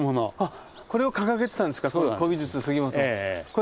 これを掲げてたんですか「古美術杉本」。